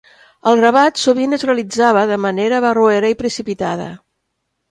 El gravat sovint es realitzava de manera barroera i precipitada.